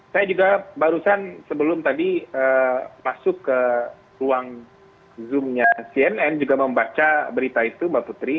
saya juga barusan sebelum tadi masuk ke ruang zoomnya cnn juga membaca berita itu mbak putri